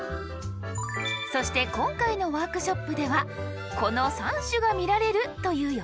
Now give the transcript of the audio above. そして今回のワークショップではこの３種が見られるという予想。